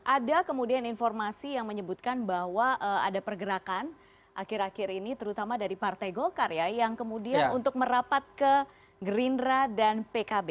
ada kemudian informasi yang menyebutkan bahwa ada pergerakan akhir akhir ini terutama dari partai golkar ya yang kemudian untuk merapat ke gerindra dan pkb